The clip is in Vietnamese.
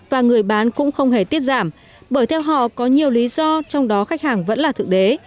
và người bán cũng không hề tiết giảm bởi theo họ có nhiều lý do trong đó khách hàng vẫn là thực tế